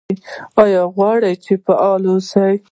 ایا غواړئ چې فعال اوسئ؟